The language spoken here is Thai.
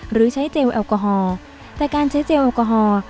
หรือใช้เจลแอลกอฮอล์แต่การใช้เจลแอลกอฮอล์